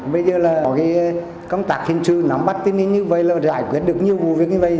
bây giờ là có cái công tác hình chữ nắm bắt tính như vậy là giải quyết được nhiều vụ việc như vậy